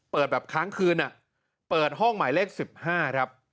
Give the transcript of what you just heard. แบบค้างคืนเปิดห้องหมายเลข๑๕ครับ